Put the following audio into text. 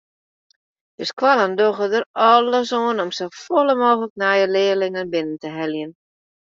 De skoallen dogge der alles oan om safolle mooglik nije learlingen binnen te heljen.